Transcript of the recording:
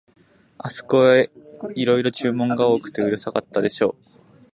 あすこへ、いろいろ注文が多くてうるさかったでしょう、